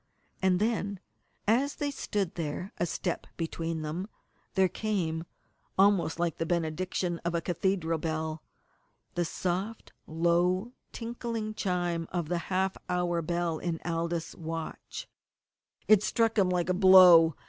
And then, as they stood there, a step between them, there came almost like the benediction of a cathedral bell the soft, low tinkling chime of the half hour bell in Aldous' watch! It struck him like a blow.